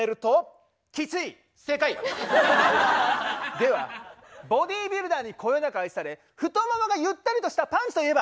ではボディービルダーにこよなく愛され太ももがゆったりとしたパンツといえば？